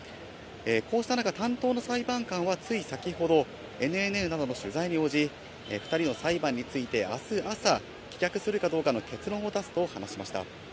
こうした中、担当の裁判官はつい先ほど、ＮＮＮなどの取材に応じ、２人の裁判について、あす朝、棄却するかどうかの結論を出すと話しました。